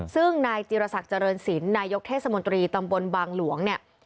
ซึ่งนายจิรษักเจริญศิลป์นายกเทศมนตรีตำบลบางหลวงเนี่ย